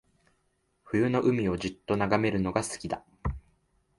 冬の海をじっと眺めるのが好きだ